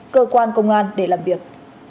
cơ quan công an để làm việc